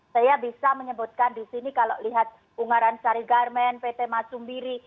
saya bisa menyebutkan di sini kalau lihat ungaran sari garmen pt masumbiri